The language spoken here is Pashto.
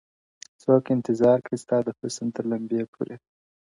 o څوک انتظار کړي، ستا د حُسن تر لمبې پوري،